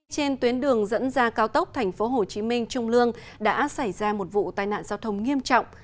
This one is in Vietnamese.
trên tuyến đường dẫn ra cao tốc tp hcm trung lương đã xảy ra một vụ tai nạn giao thông nghiêm trọng